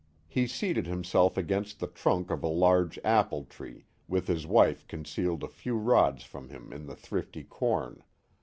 He seated himself against the trunk of a large apple tree, with his wife concealed a few rods from him in the thrifty corn.